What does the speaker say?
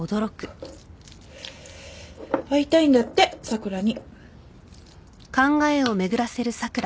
会いたいんだって桜に。